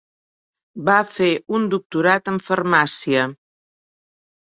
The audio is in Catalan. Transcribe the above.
Va fer un doctorat en farmàcia.